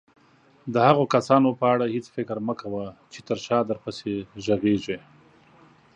د هغه کسانو په اړه هيڅ فکر مه کوه چې تر شاه درپسې غږيږي.